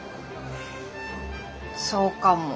そうかも。